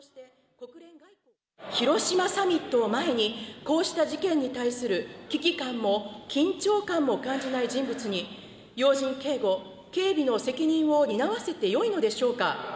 広島サミットを前に、こうした事件に対する危機感も緊張感も感じない人物に、要人警護、警備の責任を担わせてよいのでしょうか。